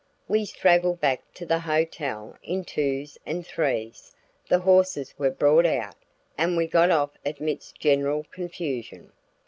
We straggled back to the hotel in twos and threes; the horses were brought out, and we got off amidst general confusion.